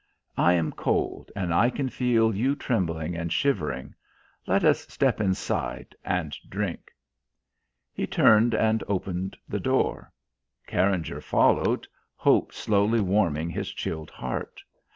"I am cold, and I can feel you trembling and shivering. Let us step inside and drink." He turned and opened the door. Carringer followed, hope slowly warming his chilled heart.